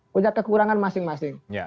punya kekurangan masing masing